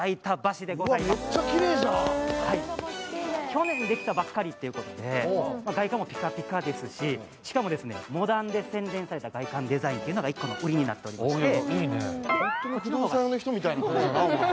去年できたばかりということで、外観もピカピカですし、しかもモダンで洗練された外観デザインが売りになってまして。